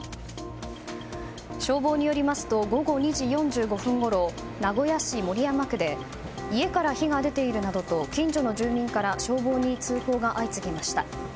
消防によりますと午後２時４５分ごろ名古屋市守山区で家から火が出ているなどと近所の住民から消防に通報が相次ぎました。